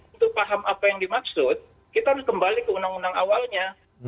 untuk paham apa yang dimaksud kita harus kembali ke undang undang awalnya